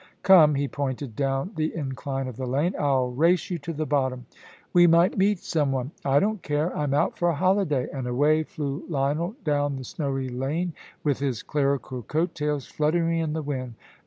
Come," he pointed down the incline of the lane, "I'll race you to the bottom." "We might meet some one." "I don't care I'm out for a holiday"; and away flew Lionel down the snowy lane, with his clerical coattails fluttering in the wind.